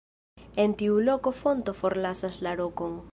En tiu loko fonto forlasas la rokon.